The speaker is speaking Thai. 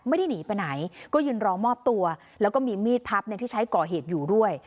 ไม่ได้หนีไปไหนก็ยืนรอมอบตัวแล้วก็มีมีดพับที่ใช้ก่อเหตุอยู่ด้วย